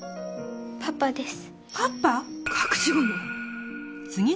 パパです。